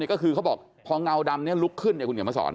ก็คือเขาบอกพอเงาดำนี้ลุกขึ้นคุณเขียนมาสอน